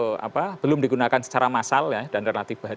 kalau energi baru kan energia yang belum digunakan secara masal dan relatif baru